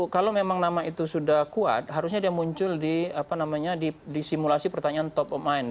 kalau memang nama itu sudah kuat harusnya dia muncul di apa namanya di simulasi pertanyaan top of mind